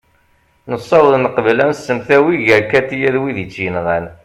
nessaweḍ neqbel ad nsemtawi gar katia d wid i tt-yenɣan